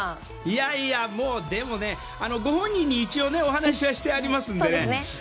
いやいや、でもねご本人に一応お話はしてありますので。